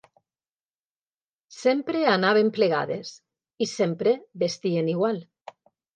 Sempre anaven plegades, i sempre vestien igual